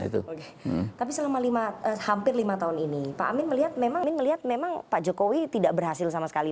tapi selama hampir lima tahun ini pak amin melihat memang pak jokowi tidak berhasil sama sekali